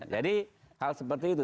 jadi hal seperti itu